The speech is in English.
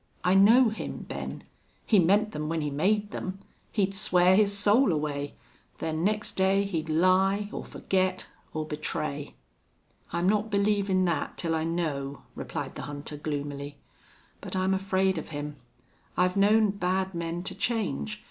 "I know him, Ben. He meant them when he made them. He'd swear his soul away then next day he'd lie or forget or betray." "I'm not believin' that till I know," replied the hunter, gloomily. "But I'm afraid of him.... I've known bad men to change.